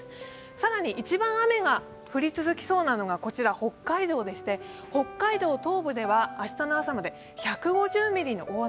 更に一番雨が降り続きそうなのが、北海道でして、北海道東部では明日の朝まで１５０ミリの大雨